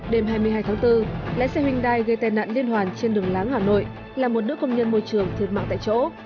đêm hai mươi hai tháng bốn lái xe hyundai gây tai nạn liên hoàn trên đường láng hà nội làm một đứa công nhân môi trường thiệt mạng tại chỗ